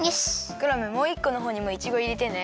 クラムもう１このほうにもいちごいれてね。